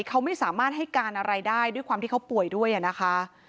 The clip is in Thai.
เขาไม่สามารถให้การอะไรได้ด้วยความที่เขาป่วยด้วยนะคะ